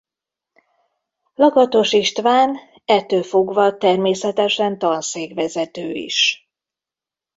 Lakatos István ettől fogva természetesen tanszékvezető is.